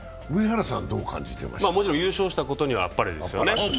もちろん優勝したことにはあっぱれですよね。